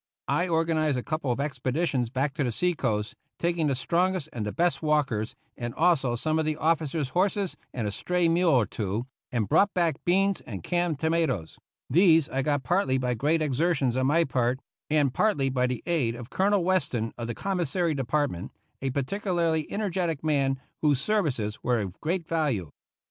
I organized a couple of expeditions back to the seacoast, taking the strongest and best walkers and also some of the officers' horses and a stray mule or two, and brought back beans and canned tomatoes. These I got partly by great exertions on my part, and partly by the aid of Colonel GENERAL YOUNG'S FIGHT Weston of the Commissary Department, a par ticularly energetic man whose services were of great value.